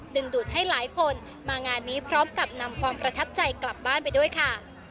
ดูดให้หลายคนมางานนี้พร้อมกับนำความประทับใจกลับบ้านไปด้วยค่ะ